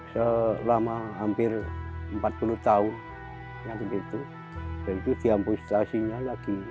selama hampir empat puluh tahun yang begitu dan itu diampustasinya lagi dua ribu delapan